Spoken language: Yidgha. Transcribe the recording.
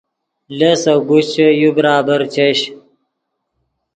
لس اوگوشچے یو برابر چش